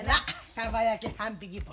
かば焼き半匹分。